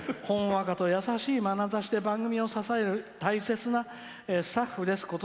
ほんわかと優しいまなざしで番組を支える大切なスタッフです。